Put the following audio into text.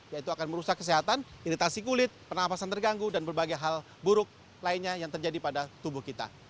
yaitu akan merusak kesehatan iritasi kulit penapasan terganggu dan berbagai hal buruk lainnya yang terjadi pada tubuh kita